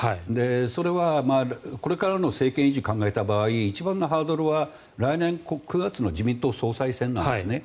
それはこれからの政権維持を考えた場合一番のハードルは来年９月の自民党総裁選なんですね。